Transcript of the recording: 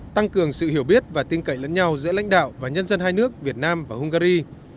tăng cường sự hiểu biết và tin cậy lẫn nhau giữa lãnh đạo và nhân dân hai nước việt nam và hungary